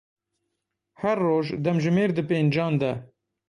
Her roj demjimêr di pêncan de.